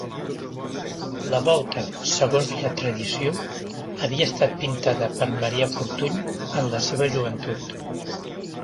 La volta, segons la tradició, havia estat pintada per Marià Fortuny en la seva joventut.